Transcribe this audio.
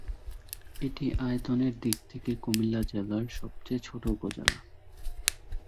এটি আয়তনের দিক থেকে কুমিল্লা জেলার সবচেয়ে ছোট উপজেলা।